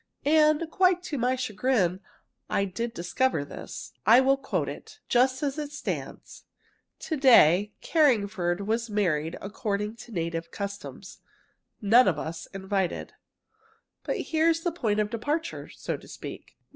And, quite to my chagrin, I did discover this. I will quote it, just as it stands: Today Carringford was married according to native customs. None of us invited. "But here's the point of departure, so to speak.